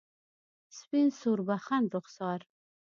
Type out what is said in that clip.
سپین سوربخن رخسار